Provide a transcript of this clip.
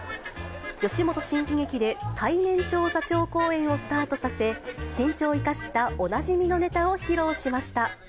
吉本新喜劇で最年長座長公演をスタートさせ、身長を生かしたおなじみのネタを披露しました。